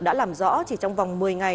đã làm rõ chỉ trong vòng một mươi ngày